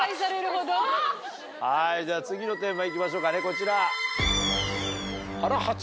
はいじゃ次のテーマ行きましょうかねこちら。